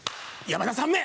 山田さんめ！